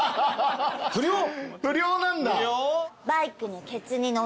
不良なんだ。